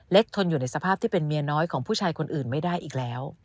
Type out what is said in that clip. ทนอยู่ในสภาพที่เป็นเมียน้อยของผู้ชายคนอื่นไม่ได้อีกแล้ว